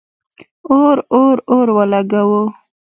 اور، اور، اور ولګوو